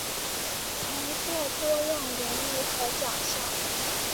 曾获多样荣誉和奖项。